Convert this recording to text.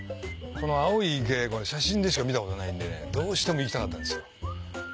この青い池写真でしか見たことないんでねどうしても行きたかったんですよ。